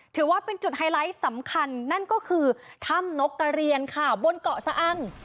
ถือว่าเป็นจุดไฮไลท์สำคัญนั่นก็คือถ้ำนกกระเรียนค่ะบนเกาะสะอัง